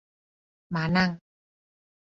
ม้านั่ง